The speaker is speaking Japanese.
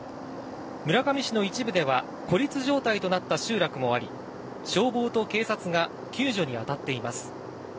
村上市の一部では、孤立状態となった集落もあり、消防と警察が救助に当たっています。